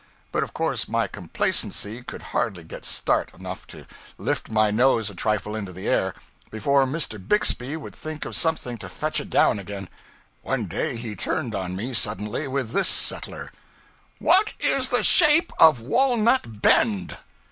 But of course my complacency could hardly get start enough to lift my nose a trifle into the air, before Mr. Bixby would think of something to fetch it down again. One day he turned on me suddenly with this settler 'What is the shape of Walnut Bend?'